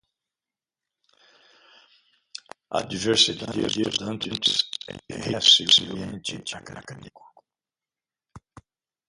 A diversidade de estudantes enriquece o ambiente acadêmico.